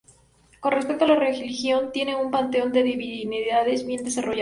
Con respecto a la religión, tenían un panteón de divinidades bien desarrollado.